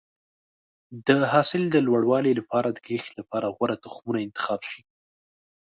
د حاصل د لوړوالي لپاره د کښت لپاره غوره تخمونه انتخاب شي.